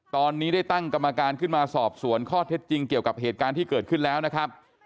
ตอนนี้ได้ตั้งกรรมการขึ้นมาสอบสวนข้อเท็จจริงเกี่ยวกับเหตุการณ์ที่เกิดขึ้นแล้วนะครับ